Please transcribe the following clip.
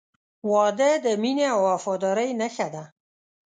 • واده د مینې او وفادارۍ نښه ده.